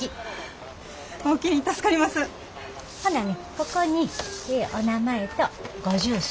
ここにお名前とご住所。